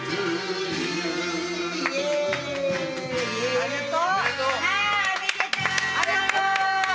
ありがとう！